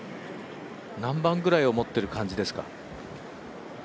何番ぐらいを持ってる感じですか？